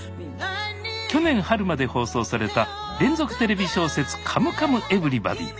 去年春まで放送された連続テレビ小説「カムカムエヴリバディ」。